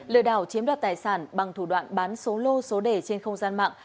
lừa đảo chiếm đoạt tài sản bằng thủ đoạn bán số lô số đề trên không gian mạng